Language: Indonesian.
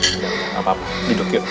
gak apa apa duduk yuk